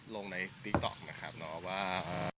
ลงในติ๊กต๊อกนะครับว่า